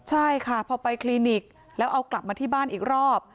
ใช่ค่ะพอไปคลินิกแล้วเอากลับมาที่บ้านอีกรอบ